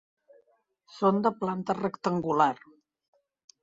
Són de planta rectangular.